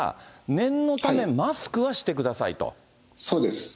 念のため、マスクはしてくださいと。